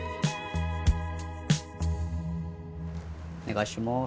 お願いします。